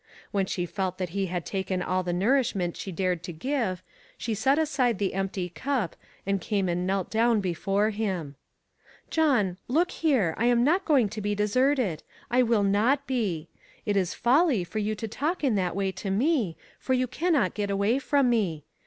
When she felt that he had taken all the nourishment she dared to give, she set aside the empty cup, and came and knelt down before him. "John, look here, I am not to be de serted. I will not be. It is folly for you to talk in that way to me, for you cannot get away from me.